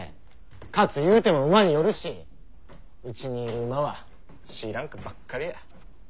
勝つ言うても馬によるしうちにいる馬はＣランクばっかりや。